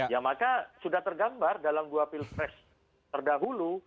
ya maka sudah tergambar dalam dua pil pres terdahulu